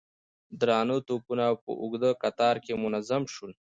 درانه توپونه په اوږده کتار کې منظم شول.